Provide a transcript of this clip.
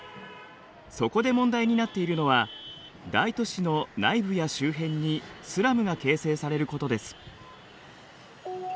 そこで問題になっているのは大都市の内部や周辺にスラムが形成されることです。